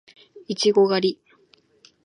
いちご狩り